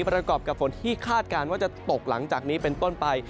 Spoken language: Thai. ประกอบกับฝนที่คาดการณ์ว่าจะตกหลังจากนี้เป็นต้นไป